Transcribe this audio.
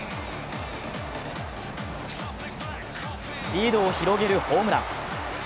リードを広げるホームラン。